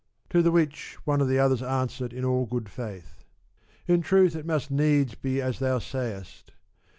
To the which one of the others answered in all good faith :* In truth it must needs be as thou sayest.